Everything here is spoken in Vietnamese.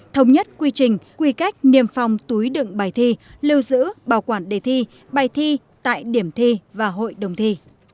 thống nhất quy trình quy cách niềm phòng túi đựng bài thi lưu giữ bảo quản đề thi bài thi tại điểm thi và hội đồng thi